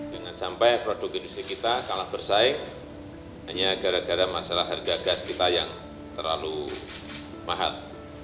jangan sampai produk industri kita kalah bersaing hanya gara gara masalah harga gas kita yang terlalu mahal